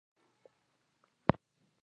زراعت د افغانستان د طبیعي زیرمو برخه ده.